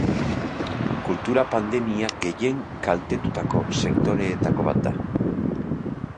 Kultura pandemiak gehien kaltetutako sektoreetako bat da.